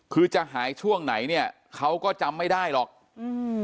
คือจะหายช่วงไหนเนี้ยเขาก็จำไม่ได้หรอกอืม